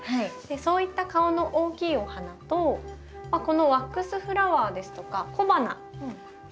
そういった顔の大きいお花とこのワックスフラワーですとか小花そして線がきれいなお花。